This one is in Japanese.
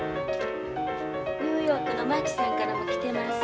ニューヨークの真紀さんからも来てまっせ。